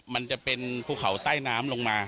มันจะเป็นภูเขาใต้น้ำลงมา